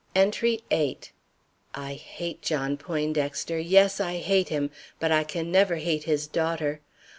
ENTRY VIII. I hate John Poindexter, yes, I hate him, but I can never hate his daughter.